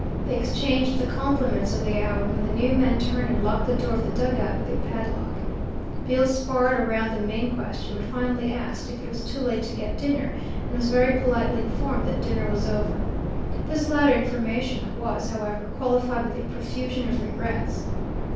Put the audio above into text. They exchanged the compliments of the hour, when the new man turned and locked the door of the dug out with a padlock. Bill sparred around the main question, but finally asked if it was too late to get dinner, and was very politely informed that dinner was over. This latter information was, however, qualified with a profusion of regrets.